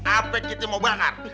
apa kita mau bakar